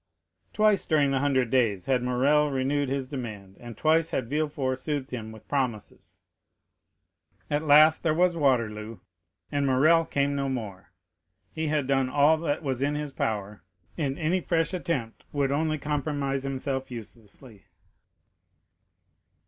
Twice during the Hundred Days had Morrel renewed his demand, and twice had Villefort soothed him with promises. At last there was Waterloo, and Morrel came no more; he had done all that was in his power, and any fresh attempt would only compromise himself uselessly.